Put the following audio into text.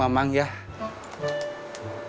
mamang nyusahin kamu terus